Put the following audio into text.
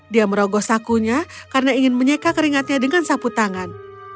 dia merogoh sakunya karena ingin menyeka keringatnya dengan sapu tangan